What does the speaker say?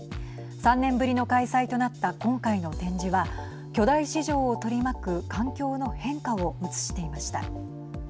３年ぶりの開催となった今回の展示は巨大市場を取り巻く環境の変化を映していました。